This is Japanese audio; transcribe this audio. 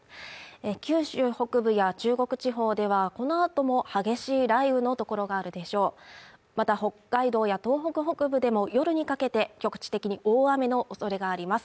九州北部や中国地方ではこのあとも激しい雷雨の所があるでしょうまた北海道や東北北部でも夜にかけて局地的に大雨のおそれがあります